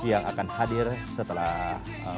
yang akan hadir setelah